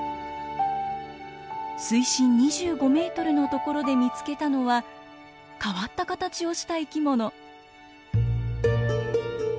水深２５メートルのところで見つけたのは変わった形をした生きもの。